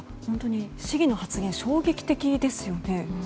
本当に市議の発言は衝撃的ですよね。